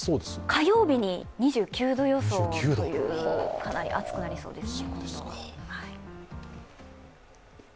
火曜日に２９度予想というかなり暑くなりそうです。